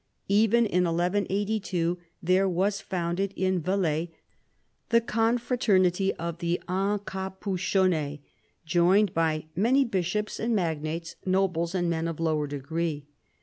Even in 1182 there was founded in Velai the confraternity of the EncapuchonnSs, joined by "many bishops and magnates, nobles, and men of lower degree."